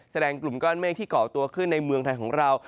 กลุ่มก้อนเมฆที่เกาะตัวขึ้นในเมืองไทยของเรา